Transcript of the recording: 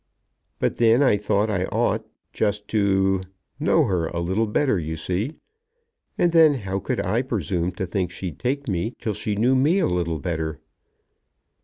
But then I thought I ought, just to, know her a little better, you see. And then how could I presume to think she'd take me till she knew me a little better?"